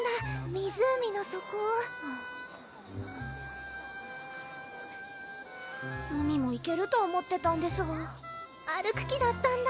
湖の底海もいけると思ってたんですが歩く気だったんだ